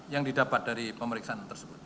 yang didapat dari pemeriksaan tersebut